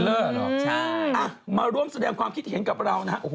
ฟิลเลอร์เหรอใช่อ่ะมาร่วมแสดงความคิดเห็นกับเรานะฮะโอ้โห